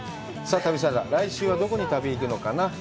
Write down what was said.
旅サラダは来週はどこに旅に行くのかな。